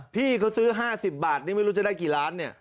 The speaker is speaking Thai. พี่เขาซื้อ๕๐บาทนี่ไม่รู้จะได้กี่ล้านเนี่ย